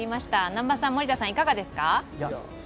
南波さん、森田さん、いかがですか？